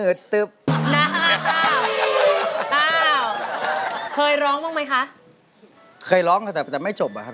อินโทรเพลงที่๖มูลค่า๖๐๐๐๐บาท